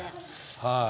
はい。